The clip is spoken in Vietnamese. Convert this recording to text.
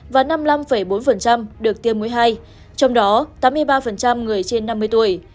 và năm mươi năm bốn được tiêm muối hai trong đó tám mươi ba người trên năm mươi tuổi